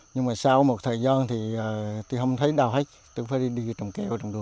nhưng mà sau một thời gian thì tôi không thấy đau hết tôi phải đi trồng kẹo trồng đùa